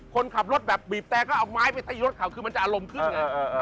คนขับรถแบบบีบแต่ก็เอาไม้ไปตีรถเขาคือมันจะอารมณ์ขึ้นไง